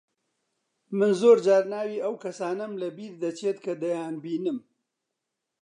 من زۆر جار ناوی ئەو کەسانەم لەبیر دەچێت کە دەیانبینم.